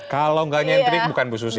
kalau nggak nyentrik bukan bu susi